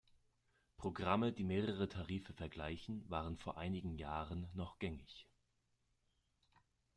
Programme, die mehrere Tarife vergleichen, waren vor einigen Jahren noch gängig.